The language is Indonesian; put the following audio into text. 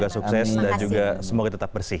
semoga sukses dan juga semoga tetap bersih